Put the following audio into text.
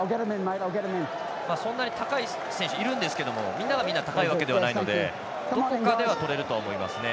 高い選手いるんですけどみんながみんな高いわけではないのでどこかでは、とれると思いますね。